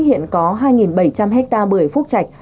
hiện có hai bảy trăm linh hectare bưởi phúc trạch